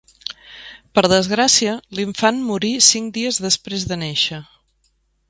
Per desgràcia l'infant morí cinc dies després de néixer.